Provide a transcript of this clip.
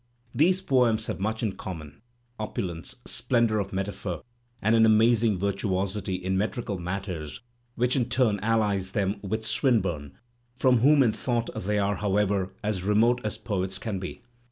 These poems have much in com mon, opulence, splendour of metaphor and an amazing virtuosity in metrical matters which in turn allies them with Swinburne, from whom in thought they are, however, as remote as poets can be.